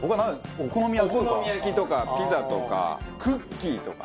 お好み焼きとかピザとかクッキーとか。